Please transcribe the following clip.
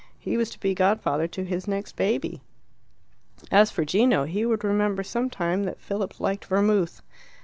He was to be godfather to his next baby. As for Gino, he would remember some time that Philip liked vermouth.